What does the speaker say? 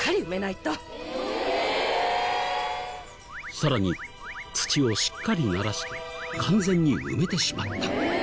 さらに土をしっかりならし完全に埋めてしまった。